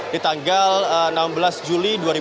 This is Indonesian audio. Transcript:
di tanggal enam belas juli dua ribu dua puluh